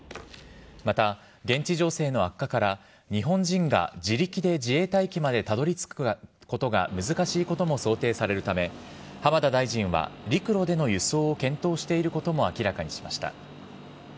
また、現地情勢の悪化から日本人が自力で自衛隊機までたどり着くのが難しいことも想定させるため浜田大臣は陸路での輸送を検討していることも明らかにしました。